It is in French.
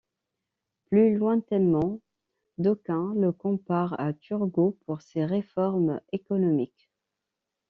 Plus lointainement, d'aucuns le comparent à Turgot pour ses réformes économiques.